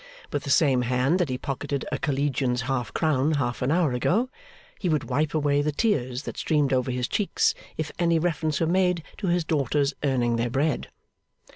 With the same hand that he pocketed a collegian's half crown half an hour ago, he would wipe away the tears that streamed over his cheeks if any reference were made to his daughters' earning their bread.